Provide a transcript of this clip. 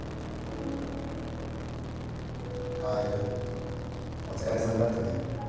川合君お疲れさんだったね。